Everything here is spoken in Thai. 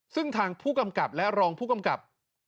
ซึ่งทางผู้กำกับและรองผู้กำกับ